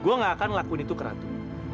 gue nggak akan ngelakuin itu ke ratu